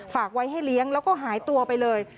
ฝากไว้ให้เลี้ยงแล้วก็หายตัวไปเลย